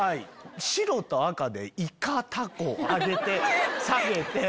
白と赤でイカタコ上げて下げて。